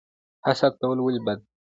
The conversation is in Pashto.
حسد کول ولې بد دي؟